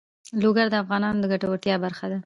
لوگر د افغانانو د ګټورتیا برخه ده.